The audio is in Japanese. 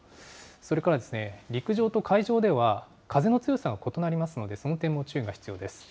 それから陸上と海上では風の強さが異なりますので、その点も注意が必要です。